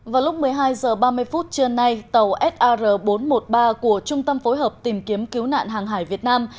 vào lúc một mươi hai h ba mươi phút trưa nay tàu sar bốn trăm một mươi ba của trung tâm phối hợp tìm kiếm cứu nạn hàng hải việt nam